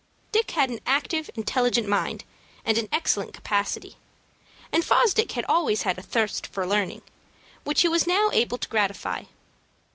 Dick had an active, intelligent mind, and an excellent capacity, and Fosdick had always had a thirst for learning, which he was now able to gratify.